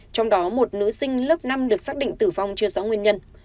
trong đó một nữ sinh lớp năm được xác định tử vong chưa rõ nguyên nhân